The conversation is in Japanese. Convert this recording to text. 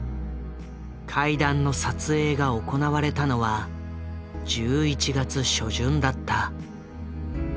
階段の撮影が行われたのは１１月初旬だった。